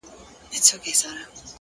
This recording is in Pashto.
وخت د حقیقت تر ټولو صادق شاهد دی.!